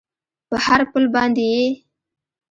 په هر پل باندې یې